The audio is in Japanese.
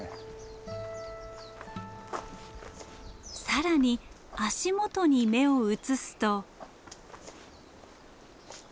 更に足元に目を移すと。